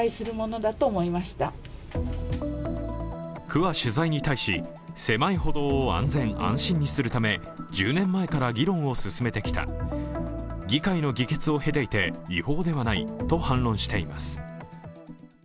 区は取材に対し、狭い歩道を安全・安心にするため１０年前から議論を進めてきた、議会の議決を経ていて、違法ではないと反論しています。